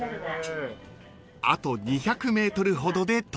［あと２００ｍほどで到着］